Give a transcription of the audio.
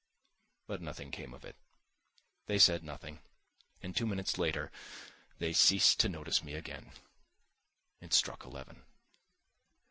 But nothing came of it: they said nothing, and two minutes later they ceased to notice me again. It struck eleven.